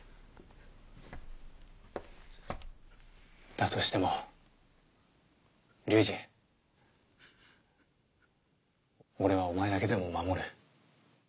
だとしても隆司俺はお前だけでも守る。